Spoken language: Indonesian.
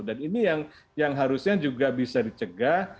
dan ini yang harusnya juga bisa dicegat